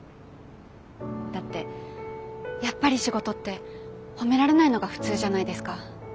だってやっぱり仕事って褒められないのが普通じゃないですか。